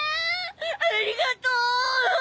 ありがとう！